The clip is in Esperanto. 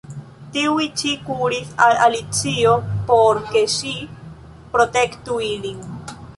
Tiuj ĉi kuris al Alicio por ke ŝi protektu ilin.